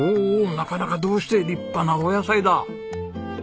なかなかどうして立派なお野菜だ。